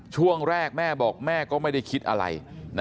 ช่วงแรกแม่บอกแม่ก็ไม่ได้คิดอะไร